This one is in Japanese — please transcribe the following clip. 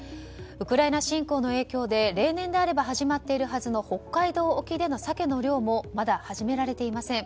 ウクライナ侵攻の影響で例年であれば始まっているはずの北海道沖でのサケの漁もまだ始められていません。